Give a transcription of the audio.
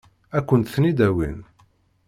Ad kent-ten-id-awin?